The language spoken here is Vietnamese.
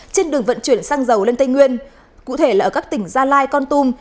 trên đường vận chuyển xăng dầu lên tây nguyên cụ thể là ở các tỉnh gia lai con tum